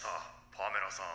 パメラさん」。